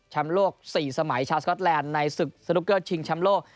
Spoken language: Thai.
โลก๔สมัยชาวสก๊อตแลนด์ในศึกสนุกเกอร์ชิงแชมป์โลก